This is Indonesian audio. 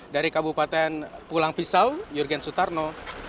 dari kabupaten pulang pisau yurgen sutarno